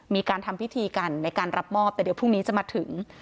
มีการทำพิธีกันในการรับมอบแต่เดี๋ยวพรุ่งนี้จะมาถึง